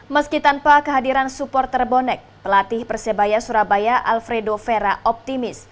meski tanpa kehadiran supporter bonek pelatih persebaya surabaya alfredo vera optimis